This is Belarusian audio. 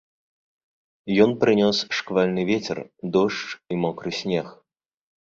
Ён прынёс шквальны вецер, дождж і мокры снег.